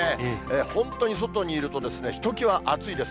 本当に外にいると、ひときわ暑いです。